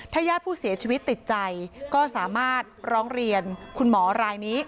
ญาติผู้เสียชีวิตติดใจก็สามารถร้องเรียนคุณหมอรายนี้